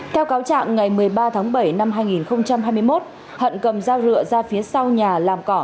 theo cáo trạng ngày một mươi ba tháng bảy năm hai nghìn hai mươi một hận cầm dao rượu ra phía sau nhà làm cỏ